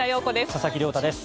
佐々木亮太です。